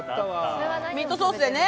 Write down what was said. ミートソースでね。